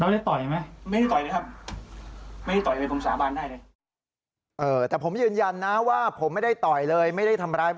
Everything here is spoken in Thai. แล้วผมจะควบกันอย่างไรครับ